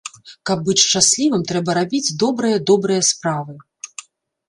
Каб быць шчаслівым, трэба рабіць добрыя добрыя справы.